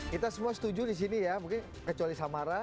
kita semua setuju di sini ya mungkin kecuali samara